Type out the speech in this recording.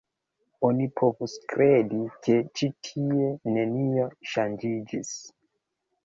Oni povus kredi, ke ĉi tie nenio ŝanĝiĝis.